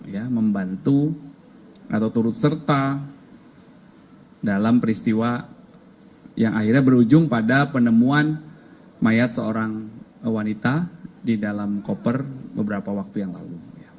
ya membantu atau turut serta dalam peristiwa yang akhirnya berujung pada penemuan mayat seorang wanita di dalam koper beberapa waktu yang lalu